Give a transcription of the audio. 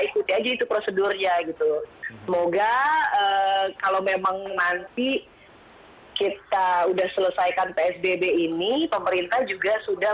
jadi itu prosedurnya gitu semoga kalau memang nanti kita udah selesaikan psbb ini pemerintah juga sudah